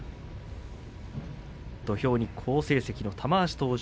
土俵に好成績の玉鷲登場。